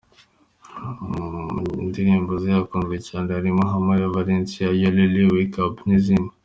Mu ndirimbo ze zakunzwe cyane harimo nka Maria Valencia, Yolele, Wake up n’izindi.